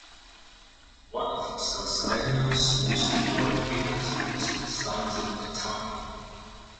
One of Scarsellino's most important pupils was Costanzo Cattani.